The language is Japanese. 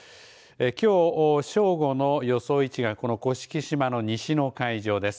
きょう正午の予想位置がこの甑島の西の海上です。